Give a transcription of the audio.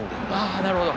あなるほど。